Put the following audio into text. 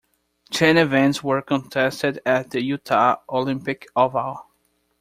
Ten events were contested at the Utah Olympic Oval.